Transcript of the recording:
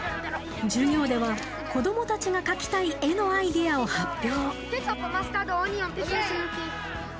授業では子供たちが描きたい絵のアイデアを発表。